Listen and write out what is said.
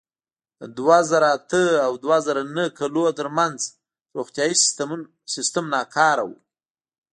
د دوه زره اته او دوه زره نهه کلونو ترمنځ روغتیايي سیستم ناکار و.